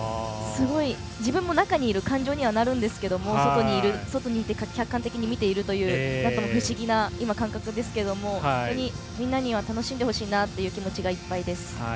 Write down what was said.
自分も中にいる感情にはなるんですけど外にいて客観的に見ているという不思議な感覚ですけどもみんなには楽しんでほしいなという気持ちでいっぱいです。